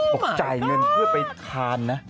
เกิดกระจายเงินเพื่อไปคานนะ